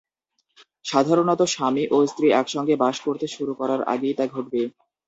সাধারণত, স্বামী ও স্ত্রী একসঙ্গে বাস করতে শুরু করার আগেই তা ঘটবে।